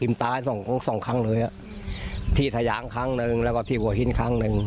ตายสองสองครั้งเลยอ่ะที่ทะยางครั้งหนึ่งแล้วก็ที่หัวหินครั้งหนึ่ง